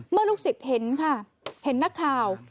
เมื่อลูกสิทธิ์เห็นค่ะเห็นนักข่าว